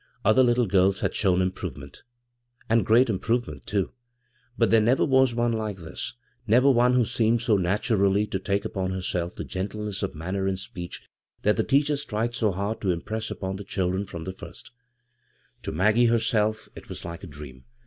Other little girls had shown im provement — and great improvement, too — but there never was one like this ; never one who seemed so naturally to take upon herself the gentieness of manner and speech that the teachers tried so hard to impress upcKi the children from the first To Maggie herself it was like a dream.